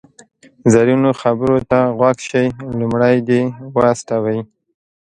زرینو خبرو ته غوږ شئ، لومړی دې و استوئ.